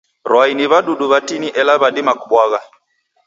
Rwai ni w'adudu w'atini ela w'adima kubwagha.